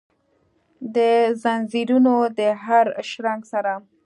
دځنځیرونو د هرشرنګ سره،